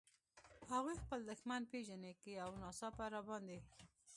هغوی خپل دښمن پېژني، که یو ناڅاپه را باندې.